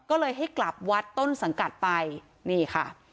ก็เลยให้กลับวัดต้นสังกัดไปนี่ค่ะ